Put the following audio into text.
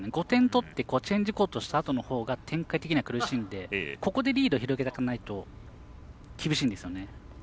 ５点取ってチェンジコートしたときのほうが展開的には苦しいのでここでリード広げとかないと厳しいんですよね。